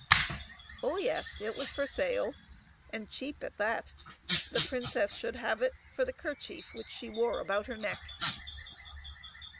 Oh, yes, it was for sale, and cheap at that ; the princess should have it for the kerchief which she wore about her neck.